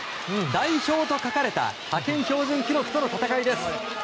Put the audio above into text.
代表と書かれた派遣標準記録との戦いです。